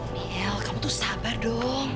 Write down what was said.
dia kamu tuh sabar dong